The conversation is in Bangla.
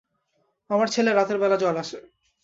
আমার ছেলের রাতের বেলা জ্বর আসে।